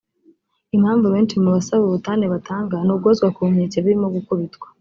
Impamvu benshi mu basaba ubutane batanga ni uguhozwa ku nkeke birimo gukubitwa